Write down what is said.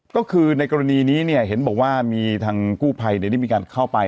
ก็คือในกรณีนี้เนี่ยเห็นบอกว่ามีทางกู้ภัยได้มีการเข้าไป